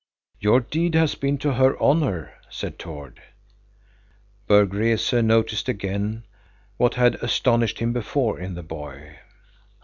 "Your deed had been to her honor," said Tord. Berg Rese noticed again what had astonished him before in the boy.